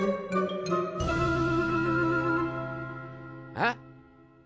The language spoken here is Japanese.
あっ？